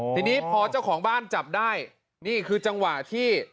ทีนี้พอเจ้าของบ้านจับได้นี่คือจังหวะที่